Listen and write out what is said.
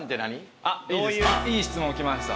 いい質問きました。